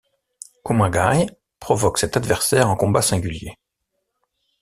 Kumagai provoque cet adversaire en combat singulier.